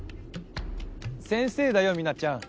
先生だよミナちゃん。